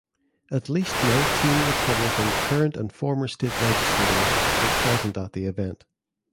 At least nineteen Republican current and former state legislators were present at the event.